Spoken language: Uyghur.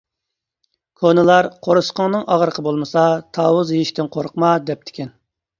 كونىلار ‹ ‹قورسىقىڭنىڭ ئاغرىقى بولمىسا، تاۋۇز يېيىشتىن قورقما› › دەپتىكەن.